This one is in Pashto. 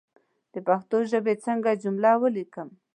د پښتو ژبى څنګه جمله وليکم